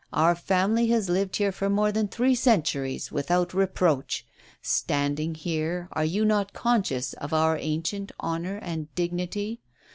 Our family has lived here for more than three centuries without reproach. Standing here, are you not conscious of our ancient honor and dignity?